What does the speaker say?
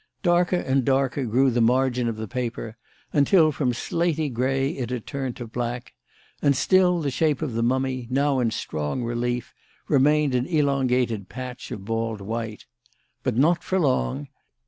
Darker and darker grew the margin of the paper until from slaty grey it had turned to black; and still the shape of the mummy, now in strong relief, remained an elongated patch of bald white. But not for long.